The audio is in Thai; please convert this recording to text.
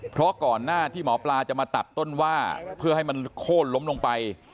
เพราะก่อนหน้าที่หมอปลาจะมาตัดต้นว่าเพื่อให้มันโค้นล้มลงไป